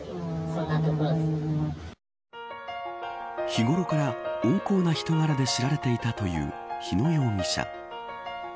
日頃から、温厚な人柄で知られていたという日野容疑者。